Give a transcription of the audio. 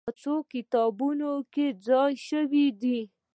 په څو کتابونو کې ځای شوې دي.